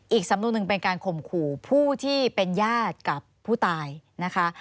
อีกสำนวนหนึ่งเป็นการข่มขู่ผู้ที่เป็นญาติกับผู้ตายนะคะ